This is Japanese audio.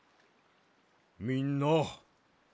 みんな。